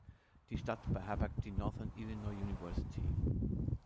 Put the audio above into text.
Die Stadt beherbergt die "Northern Illinois University".